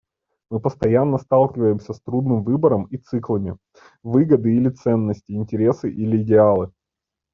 Мы постоянно сталкиваемся с трудным выбором и циклами: выгоды или ценности, интересы или идеалы.